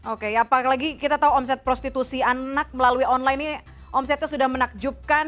oke apalagi kita tahu omset prostitusi anak melalui online ini omsetnya sudah menakjubkan